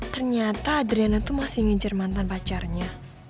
ternyata adriana tuh masih ngejar mantan pacarnya